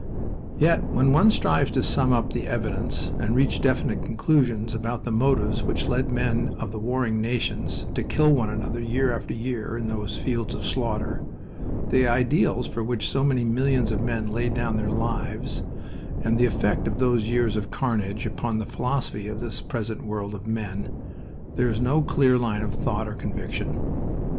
Yet when one strives to sum up the evidence and reach definite conclusions about the motives which led men of the warring nations to kill one another year after year in those fields of slaughter, the ideals for which so many millions of men laid down their lives, and the effect of those years of carnage upon the philosophy of this present world of men, there is no clear line of thought or conviction.